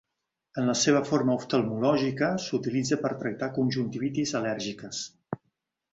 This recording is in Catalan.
En la seva forma oftalmològica, s'utilitza per tractar conjuntivitis al·lèrgiques.